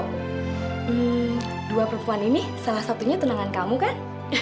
hmm dua perempuan ini salah satunya tenangan kamu kan